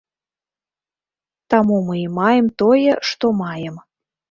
Таму мы і маем тое, што маем.